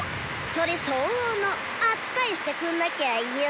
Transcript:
それ相応の「扱い」してくんなきゃよ。